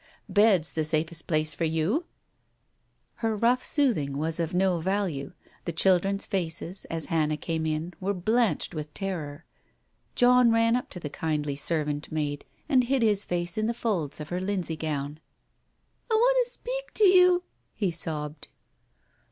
Bed's the safest place for you !" Her rough soothing was of no value. The children's faces, as Hannah came in, were blanched with terror. John ran up to the kindly servant maid, and hid his face in the folds of her linsey gown. "I want to speak to you," he sobbed.